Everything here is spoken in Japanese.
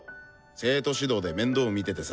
生徒指導で面倒見ててさ。